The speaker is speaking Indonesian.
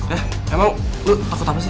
eh emang lu takut apa sih